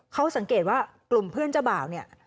เขาสังเกตว่ากลุ่มเพื่อนเจ้าบ่าวเนี่ย